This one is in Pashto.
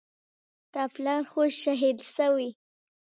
ستا پلار خو شهيد سوى.